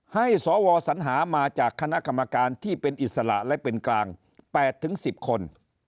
ให้สวสัญหามาจากคณะกรรมการที่เป็นอิสระและเป็นกลาง๘๑๐คน